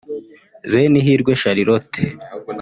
Benihirwe Charlotte